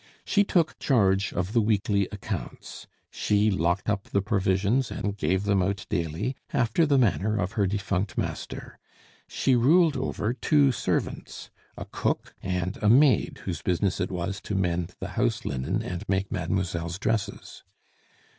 She took charge of the weekly accounts; she locked up the provisions and gave them out daily, after the manner of her defunct master; she ruled over two servants, a cook, and a maid whose business it was to mend the house linen and make mademoiselle's dresses.